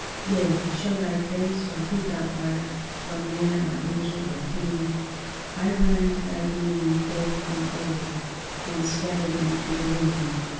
"Yea, show thy face or who thou art, Or, man or angel or fiend, I rend thy being fold from fold, And scatter thee to the wind."